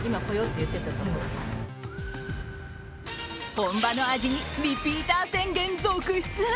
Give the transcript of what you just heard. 本場の味にリピーター宣言続出。